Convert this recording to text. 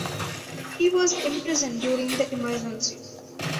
He was imprisoned during the emergency.